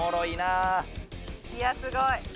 いやすごい。